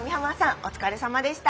お疲れさまでした。